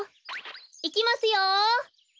いきますよ。